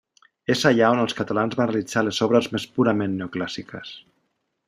És allà on els catalans van realitzar les obres més purament neoclàssiques.